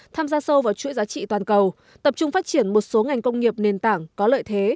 tham gia sâu vào chuỗi giá trị toàn cầu tập trung phát triển một số ngành công nghiệp nền tảng có lợi thế